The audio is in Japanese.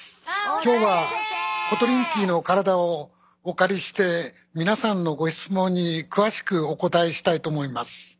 今日はコトリンキーの体をお借りして皆さんのご質問に詳しくお答えしたいと思います。